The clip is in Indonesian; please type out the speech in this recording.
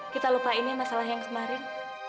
kita lupa ini masalah yang kemarin